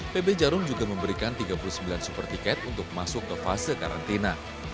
pb jarum juga memberikan tiga puluh sembilan super tiket untuk masuk ke fase karantina